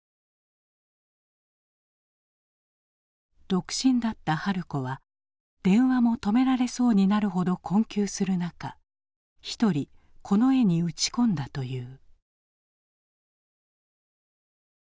独身だった春子は電話も止められそうになるほど困窮する中一人この絵に打ち込んだという。